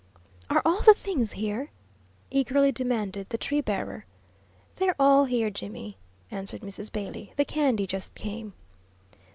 "Are all the things here?" eagerly demanded the tree bearer. "They're all here, Jimmy," answered Mrs. Bailey. "The candy just came."